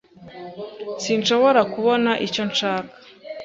Sinshobora kubona icyo nshaka.